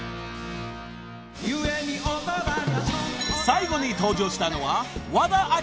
［最後に登場したのは］